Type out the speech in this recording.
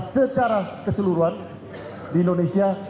secara keseluruhan di indonesia